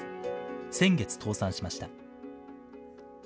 先月、倒産しました。